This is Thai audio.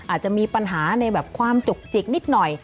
อาจจะมีปัญหาในแบบความจุกจิกนิดหน่อย